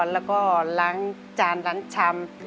แล้วก็ล้างจานล้างชำ